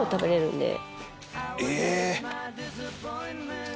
え。